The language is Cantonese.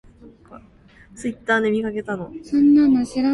北漏洞拉